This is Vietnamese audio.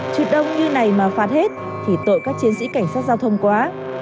chứ đông như này mà phạt hết thì tội các chiến sĩ cảnh sát giao thông quá